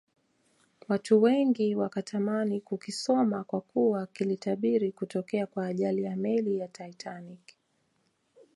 watu wengi wakatamani kukisoma kwakuwa kilitabiri kutokea kwa ajali ya meli ya Titanic